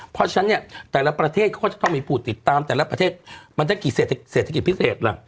เพราะฉะนั้นเนี่ยแต่ละประเทศเขาก็จะต้องมีผู้ติดตามแต่ละประเทศมันได้กี่เศรษฐกิจพิเศษล่ะ